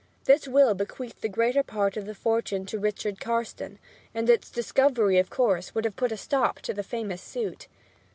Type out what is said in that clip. This will bequeathed the greater part of the fortune to Richard Carstone, and its discovery, of course, would have put a stop to the famous suit.